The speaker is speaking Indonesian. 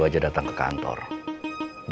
oh apa pak raymond